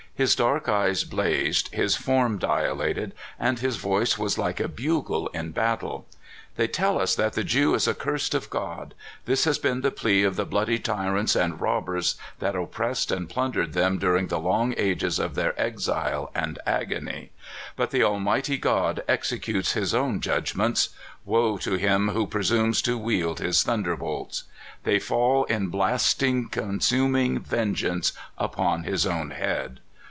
His dark eyes blazed, his form dilated, and his voice was like a bugle in battle. "They tell us that the Jew is accursed of God. This has been the plea of the bloody tyrants and robbers that oppressed and plundered them during the long ages of their exile and agony. Bat the Almighty God executes his own judgments. Woe to him who presumes to wield his thunderbolts! They fall in blasting, consuming vengeance upon his own head.